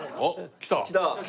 来た。